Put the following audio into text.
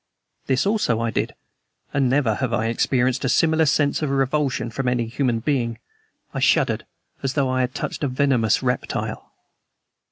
This also I did. And never have I experienced a similar sense of revulsion from any human being. I shuddered, as though I had touched a venomous reptile.